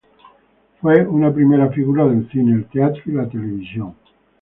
Fue una primera figura del cine, el teatro y la televisión.